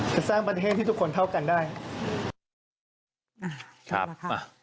สร้างประเทศที่ทุกคนเท่ากันได้